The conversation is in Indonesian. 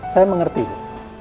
saya mengerti bu